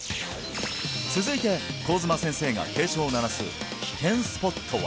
続いて上妻先生が警鐘を鳴らす危険スポットは？